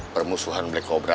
permusuhan black cobra